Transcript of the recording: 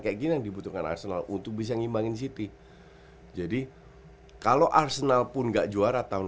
kayak gini yang dibutuhkan arsenal untuk bisa ngimbangin city jadi kalau arsenal pun enggak juara tahun